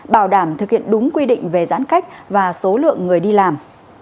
bảo đảm thực hiện đúng quy định về giãn cách và số lượng người đi làm